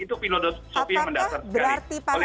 itu filosofi yang mendasar sekali